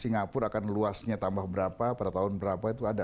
singapura akan luasnya tambah berapa pada tahun berapa itu ada